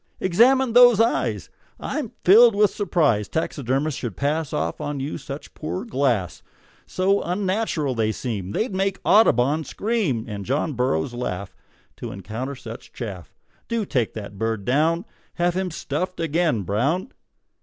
"Examine those eyes. I'm filled with surprise Taxidermists should pass Off on you such poor glass; So unnatural they seem They'd make Audubon scream, And John Burroughs laugh To encounter such chaff. Do take that bird down; Have him stuffed again, Brown!"